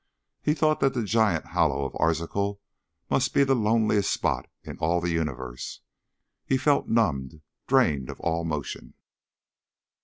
He thought that the giant hollow of Arzachel must be the loneliest spot in all the universe. He felt numbed, drained of all motion.